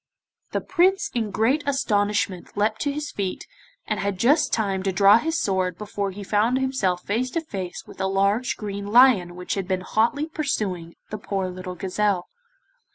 The Prince in great astonishment leapt to his feet, and had just time to draw his sword before he found himself face to face with a large green lion which had been hotly pursuing the poor little gazelle.